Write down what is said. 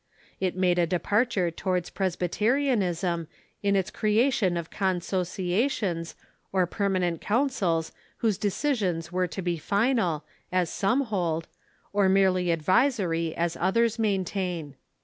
It made a departure towards Presbyterianism in its creation of consociations or permanent councils whose decisions were to be final, as some hold, or merely advisor}^ as others maintain.